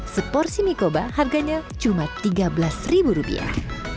seporsi mie goba harganya cuma tiga belas rupiah